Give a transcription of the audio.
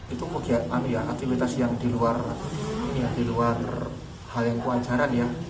itu kegiatan ya aktivitas yang diluar hal yang kuajaran ya